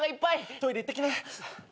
トイレ行ってきな。